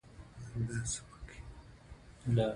بدخشان د افغانستان د طبیعت برخه ده.